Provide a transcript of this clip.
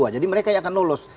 jadi mereka yang akan lolos